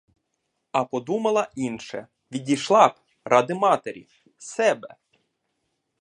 А подумала інше: відійшла б, ради матері, себе!